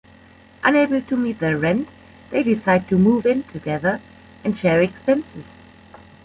Unable to meet their rent, they decide to move in together and share expenses.